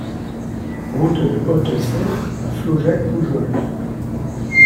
Route de Hautesserre à Flaujac-Poujols